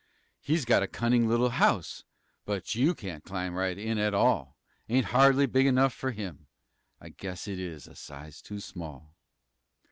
He's got a cunning little house, But you can't climb right in, at all Ain't hardly big enough for him; I guess it is a size too small.